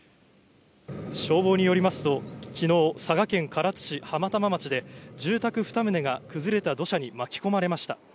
消防によりますと、きのう、佐賀県唐津市浜玉町で住宅２棟が崩れた土砂に巻き込まれました。